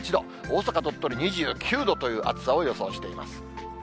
大阪、鳥取２９度という暑さを予想しています。